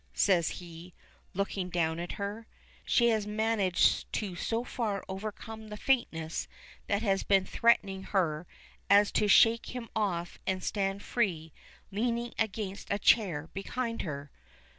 says he, looking down at her. She has managed to so far overcome the faintness that has been threatening her as to shake him off and stand free, leaning against a chair behind her.